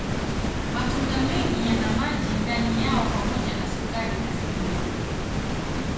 Matunda mengi yana maji ndani yao pamoja na sukari asilia.